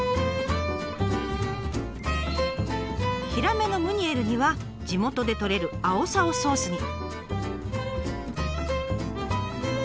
ヒラメのムニエルには地元でとれるあおさをソースに。